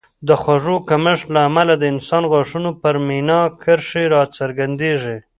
د خوړو کمښت له امله د انسان غاښونو پر مینا کرښې راڅرګندېږي